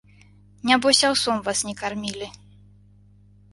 Нябось, аўсом вас не кармілі!